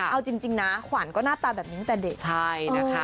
เอาจริงนะขวัญก็หน้าตาแบบนี้ตั้งแต่เด็กใช่นะคะ